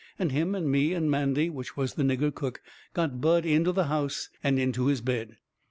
And him and me and Mandy, which was the nigger cook, got Bud into the house and into his bed.